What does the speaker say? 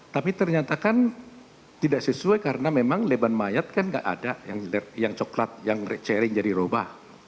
tapi ternyata kan tidak sesuai karena memang leban mayat kan nggak ada yang coklat yang sharing jadi roba